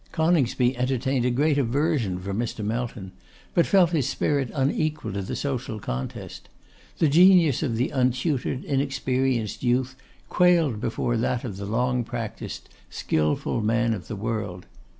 Coningsby entertained a great aversion for Mr. Melton, but felt his spirit unequal to the social contest. The genius of the untutored, inexperienced youth quailed before that of the long practised, skilful man of the world.